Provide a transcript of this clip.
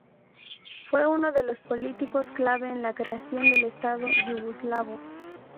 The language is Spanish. Fue uno de los políticos clave en la creación del estado yugoslavo.